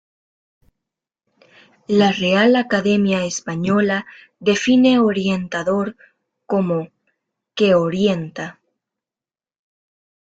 La Real Academia Española define orientador como "que orienta".